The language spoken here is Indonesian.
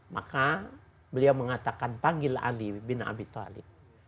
maka beliau mengatakan panggil ahli bin abi talib